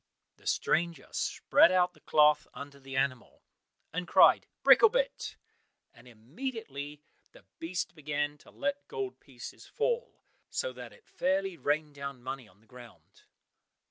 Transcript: The stranger spread out the cloth under the animal and cried, "Bricklebrit," and immediately the beast began to let gold pieces fall, so that it fairly rained down money on the ground.